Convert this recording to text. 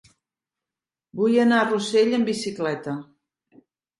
Vull anar a Rossell amb bicicleta.